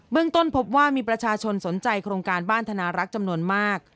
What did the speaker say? ต้นพบว่ามีประชาชนสนใจโครงการบ้านธนารักษ์จำนวนมาก